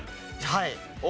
はい。